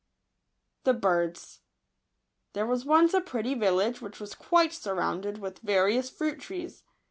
Digitized by Google THERE was once a pretty village which was quite sur rounded with various fruit trees.